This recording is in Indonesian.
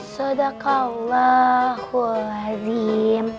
sodaka allah khuazim